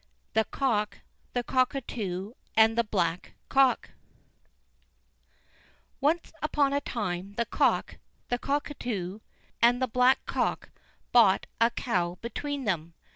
The Cock, the Cuckoo, and the Black cock Once upon a time the Cock, the Cuckoo, and the Black cock bought a cow between them.